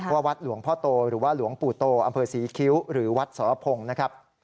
วัดหลวงพ่อโตหรือว่าหลวงปู่โตอำเภอศรีคิ้วหรือวัดสรพงศ์นะครับ